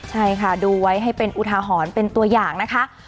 ใช่ค่ะดูไว้ให้เป็นอุทาหรณ์เป็นตัวอย่างนะคะ